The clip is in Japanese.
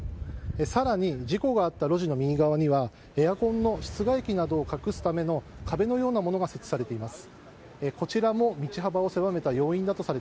更に、事故があった路地の右側にはエアコンの室外機などを隠すための壁のようなものが設置されています。